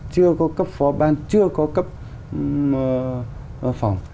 chưa có cấp phó ban chưa có cấp phòng